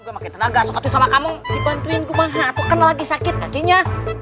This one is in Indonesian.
juga makin tenaga suatu sama kamu dibantuin kumaha aku kan lagi sakit kakinya